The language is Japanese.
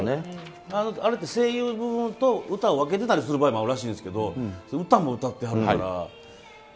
あれって、声優と歌を分けてたりする場合もあるらしいですけど歌も歌ってはるから。